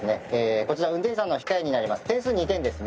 こちら運転手さんの控えになります点数２点ですね